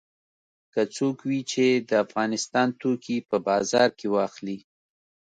که څوک وي چې د افغانستان توکي په بازار کې واخلي.